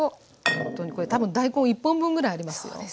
これ多分大根１本分ぐらいありますよ。